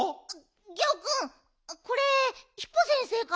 ギャオくんこれヒポ先生から。